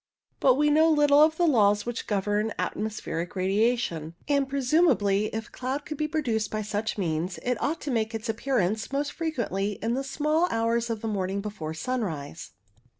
But we know little of the laws which govern atmospheric radiation, and presumably, if cloud could be pro duced by such means, it ought to make its appear ance most frequently in the small hours of the morning before sunrise.